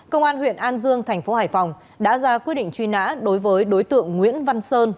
công an huyện an dương thành phố hải phòng đã ra quyết định truy nã đối với đối tượng nguyễn văn sơn